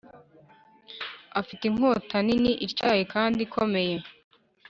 afite inkota nini, ityaye kandi ikomeye,